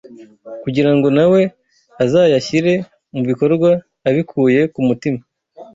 kugira ngo nawe azayashyire mu bikorwa abikuye ku mutima.